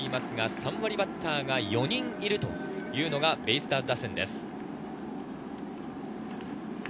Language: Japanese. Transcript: ３割バッターが４人いるというのがベイスターズ打線です。